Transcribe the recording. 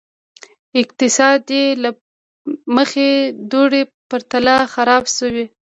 اقتصاد یې له مخکې دورې په پرتله خراب شو.